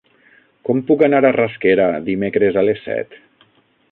Com puc anar a Rasquera dimecres a les set?